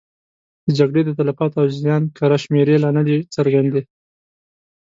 د جګړې د تلفاتو او زیان کره شمېرې لا نه دي څرګندې.